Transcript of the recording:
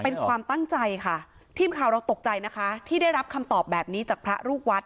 เป็นความตั้งใจค่ะทีมข่าวเราตกใจนะคะที่ได้รับคำตอบแบบนี้จากพระลูกวัด